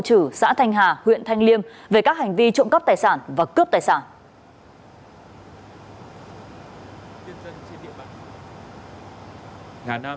trử xã thanh hà huyện thanh liêm về các hành vi trộm cắp tài sản và cướp tài sản